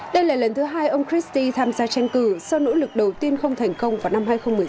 đây là lần thứ hai ông christi tham gia tranh cử sau nỗ lực đầu tiên không thành công vào năm hai nghìn một mươi sáu